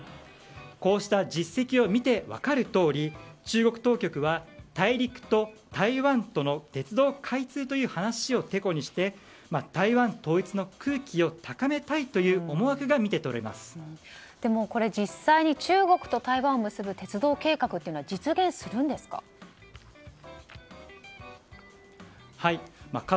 こうした実績を見て分かるとおり中国当局は大陸と台湾との鉄道開通という話をてこにして台湾統一の空気を高めたいという思惑がでもこれ実際に中国と台湾を結ぶ鉄道計画は実現するんですか。